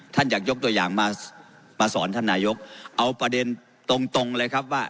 อยากยกตัวอย่างมาสอนท่านนายกเอาประเด็นตรงเลยครับว่า